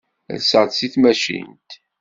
Rseɣ-d seg tmacint.